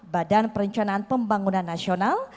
badan perencanaan pembangunan nasional